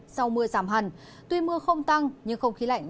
sau mưa giảm hẳn tuy mưa không tăng nhưng không khí lạnh